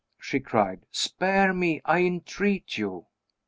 she cried. "Spare me, I entreat you."